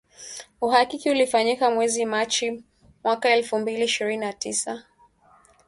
Uhakiki ulifanyika mwezi Machi mwaka elfu mbili ishirini na mbili na uliiweka Tanzania